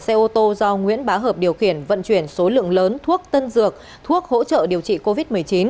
xe ô tô do nguyễn bá hợp điều khiển vận chuyển số lượng lớn thuốc tân dược thuốc hỗ trợ điều trị covid một mươi chín